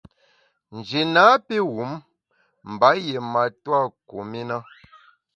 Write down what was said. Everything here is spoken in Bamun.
Nji napi wum mba yié matua kum i na.